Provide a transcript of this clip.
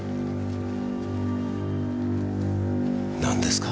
何ですか？